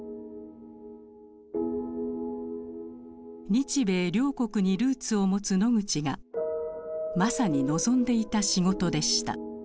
日米両国にルーツを持つノグチがまさに望んでいた仕事でした。